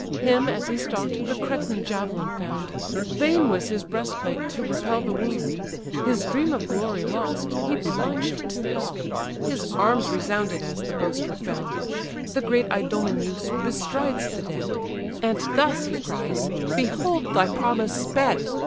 Him as he stalk'd, the Cretan javelin found; Vain was his breastplate to repel the wound: His dream of glory lost, he plunged to hell; His arms resounded as the boaster fell. The great Idomeneus bestrides the dead; "And thus (he cries) behold thy promise sped!